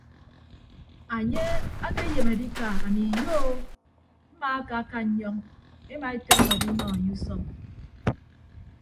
Anye ke ayem adika ami iyo o mmaakaka nnyọñ ema etọñọ adinọ enye usọbọ.